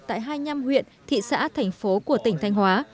tại hai nhăm huyện thị xã thành phố của tỉnh thanh hóa